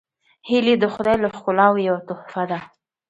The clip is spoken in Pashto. هیلۍ د خدای له ښکلاوو یوه تحفه ده